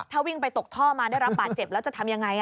ถ้าวิ่งไปตกท่อมาได้รับบาดเจ็บแล้วจะทำยังไง